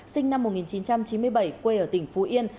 sinh năm một nghìn chín trăm chín mươi bảy quê ở tỉnh phú yên